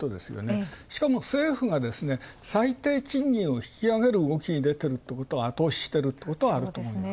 しかも政府がですね、最低賃金を引き上げる動きに出てることが後押ししてるってことはあると思います。